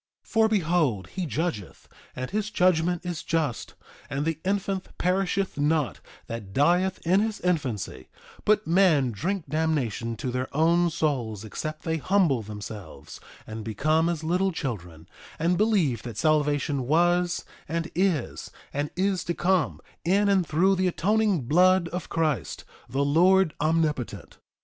3:18 For behold he judgeth, and his judgment is just; and the infant perisheth not that dieth in his infancy; but men drink damnation to their own souls except they humble themselves and become as little children, and believe that salvation was, and is, and is to come, in and through the atoning blood of Christ, the Lord Omnipotent.